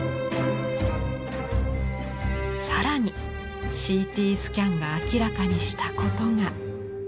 更にＣＴスキャンが明らかにしたことが。